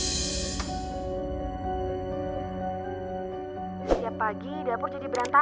siap pagi dapur jadi berantakan